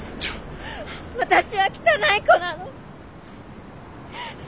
私は汚い子なの。